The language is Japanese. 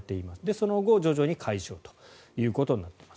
その後、徐々に解消ということになっています。